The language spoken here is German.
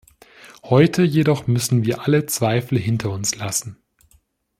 Heute jedoch müssen wir alle Zweifel hinter uns lassen.